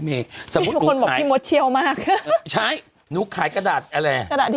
เมื่อก่อนเขาจ้างด่าไร